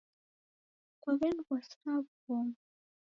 Kwaw'eniw'asira w'ughoma